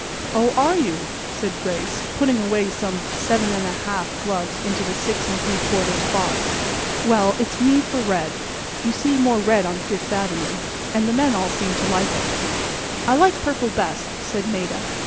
"Oh, are you," said Grace, putting away some 7½ gloves into the 6¾ box. "Well, it's me for red. You see more red on Fifth avenue. And the men all seem to like it." "I like purple best," said Maida.